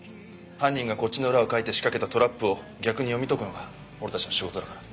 犯人がこっちの裏をかいて仕掛けたトラップを逆に読み解くのが俺たちの仕事だから。